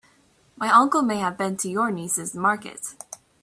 My uncle may have been to your niece's market.